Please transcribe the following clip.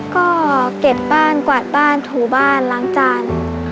ก็เก็บบ้านกวาดบ้านถูบ้านล้างจาน